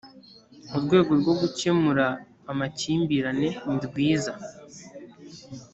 urwego rwo gukemura amakimbirane nirwiza